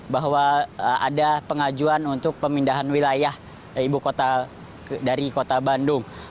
bahwa ada pengajuan untuk pemindahan wilayah ibu kota dari kota bandung